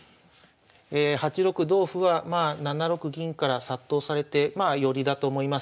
８六同歩はまあ７六銀から殺到されてまあ寄りだと思います。